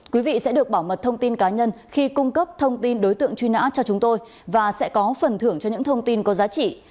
quý vị sẽ được bảo mật thông tin cá nhân khi cung cấp thông tin đối tượng truy nã cho chúng tôi và sẽ có phần thưởng cho những thông tin có giá trị